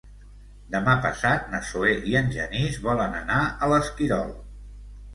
Demà passat na Zoè i en Genís volen anar a l'Esquirol.